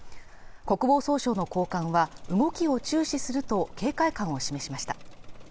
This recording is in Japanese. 国防総省の高官は動きを注視すると警戒感を示しました